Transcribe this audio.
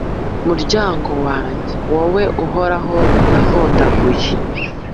Muryango wanjye, wowe Uhoraho yahondaguye,